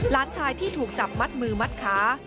หลานชายที่ถูกจับมัดมือมัดขา